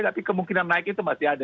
tapi kemungkinan naik itu masih ada